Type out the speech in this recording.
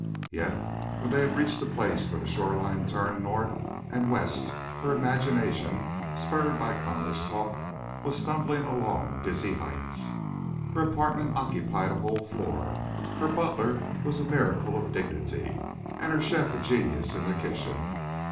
Yet when they reached the place where the shore line turned north and west her imagination, spurred by Connor's talk, was stumbling along dizzy heights. Her apartment occupied a whole floor. Her butler was a miracle of dignity and her chef a genius in the kitchen.